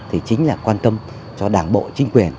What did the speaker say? thì chính là quan tâm cho đảng bộ chính quyền